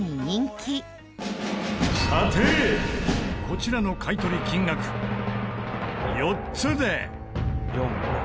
こちらの買い取り金額４つで。